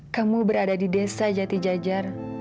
kamu berada di desa jatijajar